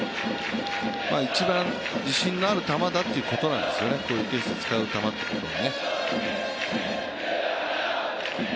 一番自信のある球だということなんですよね、こういうケースで使う球はということで。